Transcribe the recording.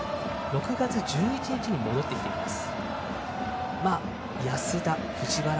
６月１１日に戻ってきています。